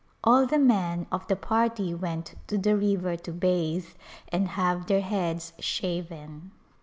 All the men of the party went to the river to bathe and have their heads shaven.